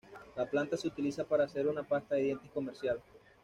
La planta se utiliza para hacer una pasta de dientes comercial.